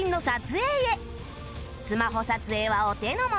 スマホ撮影はお手のもの